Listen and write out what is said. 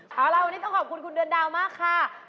เอาล่ะวันนี้ต้องขอบคุณคุณเดือนดาวมากค่ะ